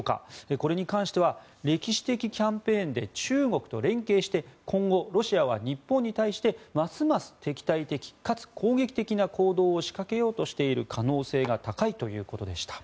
これに関しては歴史的キャンペーンで中国と連携して今後、ロシアは日本に対してますます敵対的かつ攻撃的な行動を仕掛けようとしている可能性が高いということでした。